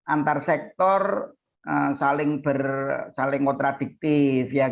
antar sektor saling kontradiktif